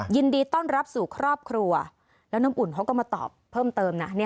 ยินดีต้อนรับสู่ครอบครัวแล้วน้ำอุ่นเขาก็มาตอบเพิ่มเติมนะ